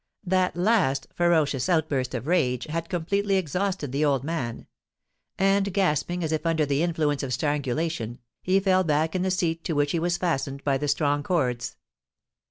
That last, ferocious outburst of rage had completely exhausted the old man; and gasping as if under the influence of strangulation, he fell back in the seat to which he was fastened by the strong cords.